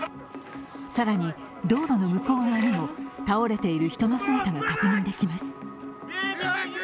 更に道路の向こう側にも倒れている人の姿が確認できます。